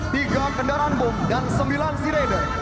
tiga kendaraan bom dan sembilan sea radar